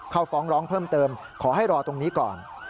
เข้าฟ้องร้องเพิ่มเติมขอให้รอตรงนี้ก่อน